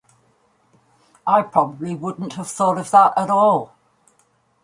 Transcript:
I probably wouldn't have thought of that at all.